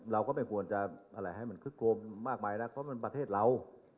เราก็ไม่ควรจะอะไรให้มันคึกโครมมากมายนะเพราะมันประเทศเรา